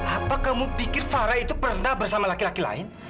apa kamu pikir farah itu pernah bersama laki laki lain